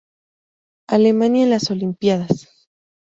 Alemania en las Olimpíadas